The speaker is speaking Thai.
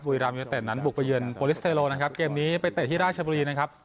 รามยูเต็ดนั้นบุกไปเยือนโปรลิสเตโลนะครับเกมนี้ไปเตะที่ราชบุรีนะครับ